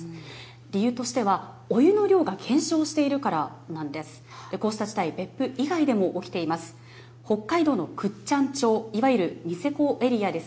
理由としては、お湯の量が減少しているからなんです。